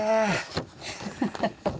ハハハハ。